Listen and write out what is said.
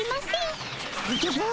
おじゃぶ！